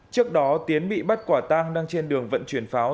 trước đó tiến bị bắt quả tang đang trên đường vận chuyển pháo